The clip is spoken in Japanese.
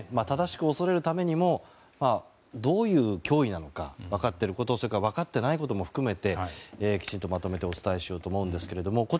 正しく恐れるためにもどういう脅威なのか分かっていること分かっていないことも含めてきちんとまとめてお伝えしようと思うんですけれども。